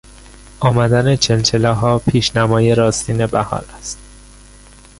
آمدن چلچلهها پیشنمای راستین بهار است.